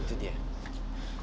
tidak ada lagi